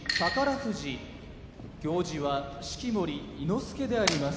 富士行司は式守伊之助であります。